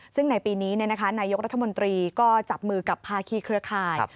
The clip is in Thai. ซึ่งในปีนี้นายกรัฐมนตรีก็จับมือกับภาคีเครือข่าย